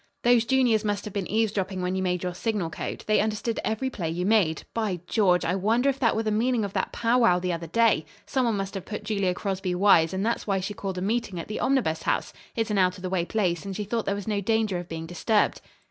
"Those juniors must have been eavesdropping when you made your signal code. They understood every play you made. By George, I wonder if that were the meaning of that pow wow the other day. Some one must have put Julia Crosby wise, and that's why she called a meeting at the Omnibus House. It's an out of the way place, and she thought there was no danger of being disturbed.